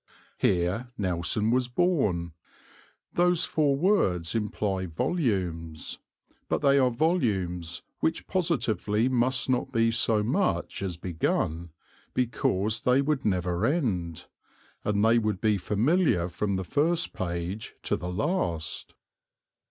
Here Nelson was born. Those four words imply volumes, but they are volumes which positively must not be so much as begun, because they would never end, and they would be familiar from the first page to the last.